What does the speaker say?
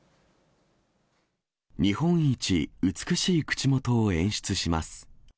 日本一美しい口元を演出します。